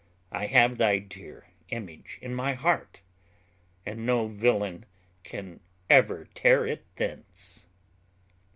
I have thy dear image in my heart, and no villain can ever tear it thence."